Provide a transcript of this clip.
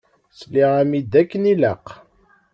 Sliɣ-am-d akken ilaq?